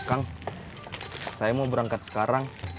kang saya mau berangkat sekarang